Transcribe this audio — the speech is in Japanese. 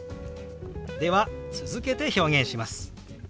では続けて表現します。